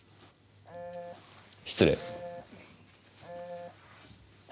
失礼。